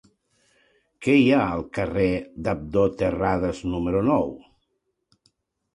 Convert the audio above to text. Què hi ha al carrer d'Abdó Terradas número nou?